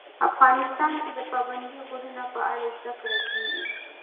افغانستان کې د پابندی غرونه په اړه زده کړه کېږي.